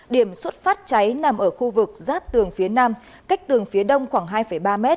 điểm xuất phát cháy nằm ở khu vực giáp tường phía nam cách tường phía đông khoảng hai ba m